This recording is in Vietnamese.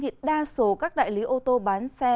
thì đa số các đại lý ô tô bán xe